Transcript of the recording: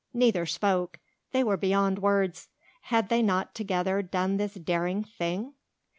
Neither spoke. They were beyond words. Had they not together done this daring thing?